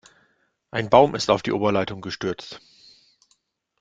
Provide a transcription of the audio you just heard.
Ein Baum ist auf die Oberleitung gestürzt.